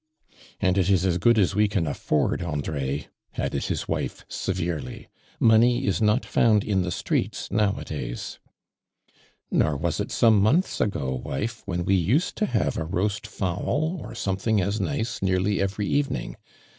And it is as good as we can afford, Andre," added his wife, severely. "Money is not found in the streets, now a days." "Nor was it, some months ago, wife, when we used to have a roast fowl, or some thing as nice, nearly every evening.